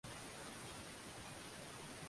Na kuimba kwa muda wa dakika ishirini na tano